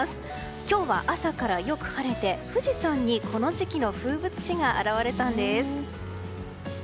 今日は朝からよく晴れて富士山にこの時期の風物詩が現れたんです。